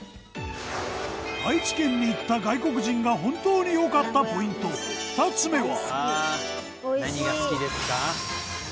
愛知県に行った外国人が本当に良かったポイント２つ目は。